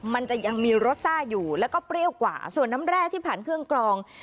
มันจะยังมีรสซ่าอยู่แล้วก็เปรี้ยวกว่าส่วนน้ำแร่ที่ผ่านเครื่องกรอง